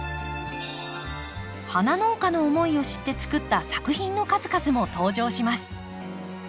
花農家の思いを知ってつくった作品の数々も登場します。